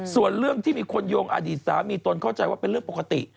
ส่วนเรื่องที่มีคนโยงอดีตสามีตนเข้าใจว่าเป็นเรื่องปกติ